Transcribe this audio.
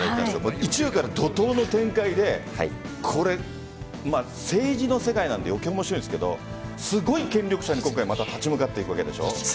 １話から怒涛の展開で政治の世界なので余計面白いんですがすごい権力者に今回、また立ち向かっていくわけでしょ？